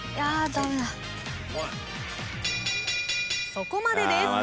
そこまでです。